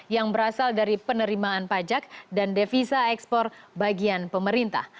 yang berasal dari penerimaan pajak dan devisa ekspor bagian pemerintah